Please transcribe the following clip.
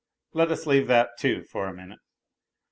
Let us leave that, too, for a minute.